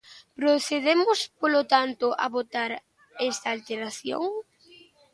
Procedemos, polo tanto, a votar esta alteración.